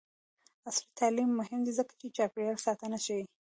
عصري تعلیم مهم دی ځکه چې چاپیریال ساتنه ښيي.